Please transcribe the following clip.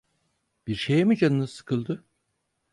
Bir şeye mi canınız sıkıldı?